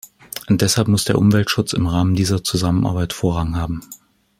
Deshalb muss der Umweltschutz im Rahmen dieser Zusammenarbeit Vorrang haben.